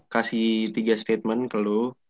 kasih tiga statement ke lu